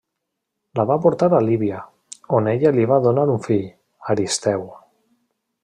La va portar a Líbia, on ella li va donar un fill, Aristeu.